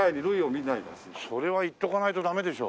それは行っとかないと駄目でしょ。